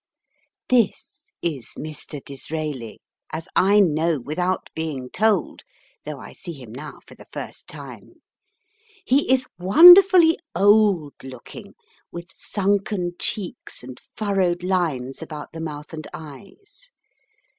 This is Mr. Disraeli, as I know without being told, though I see him now for the first time. He is wonderfully old looking, with sunken cheeks and furrowed lines about the mouth and eyes.